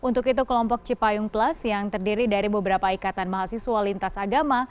untuk itu kelompok cipayung plus yang terdiri dari beberapa ikatan mahasiswa lintas agama